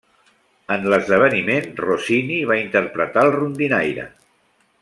En l'esdeveniment, Rossini va interpretar el rondinaire.